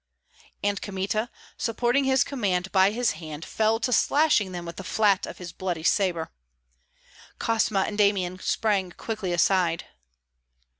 And Kmita, supporting his command by his hand, fell to slashing them with the flat of his bloody sabre. Kosma and Damian sprang quickly aside.